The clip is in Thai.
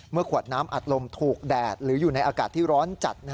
ขวดน้ำอัดลมถูกแดดหรืออยู่ในอากาศที่ร้อนจัด